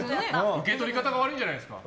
受け取り方が悪いんじゃないですか？